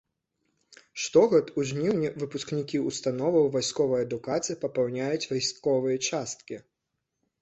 Штогод у жніўні выпускнікі ўстановаў вайсковай адукацыі папаўняюць вайсковыя часткі.